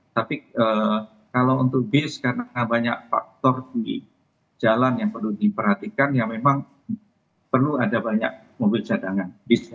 tapi kalau untuk bis karena banyak faktor di jalan yang perlu diperhatikan ya memang perlu ada banyak mobil cadangan